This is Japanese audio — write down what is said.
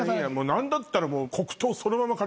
何だったら。